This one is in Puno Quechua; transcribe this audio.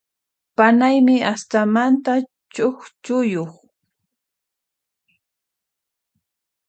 Panaymi astanmanta chukchuyuq.